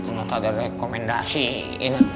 tidak ada rekomendasiin